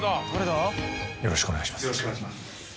よろしくお願いします。